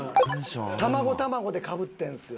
卵卵でかぶってるんですよ。